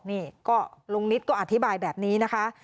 นี่ก็ลุงนิดก็อธิบายแบบนี้นะคะ